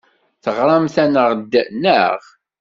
Teɣramt-aneɣ-d, naɣ?